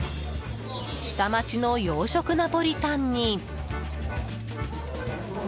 下町の洋食ナポリタンに。